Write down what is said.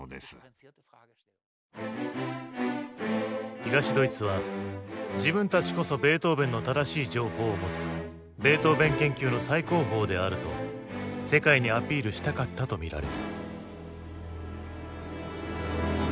東ドイツは「自分たちこそベートーヴェンの正しい情報を持つベートーヴェン研究の最高峰である」と世界にアピールしたかったとみられる。